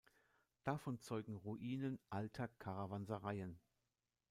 Davon zeugen Ruinen alter Karawansereien.